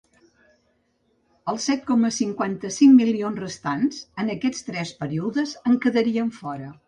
Els set coma cinquanta-cinc milions restants en aquests tres períodes en quedarien fora.